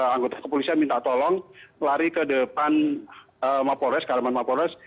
anggota kepolisian minta tolong lari ke depan mapolres ke halaman mapolres